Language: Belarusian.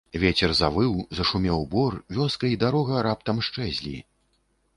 Вецер завыў, зашумеў бор, вёска і дарога раптам счэзлі.